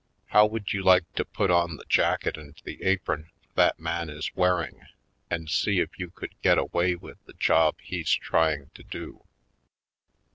How would you like to put on the jacket and the apron that man is wearing and see if you could gtt away with the job he's trying to do?"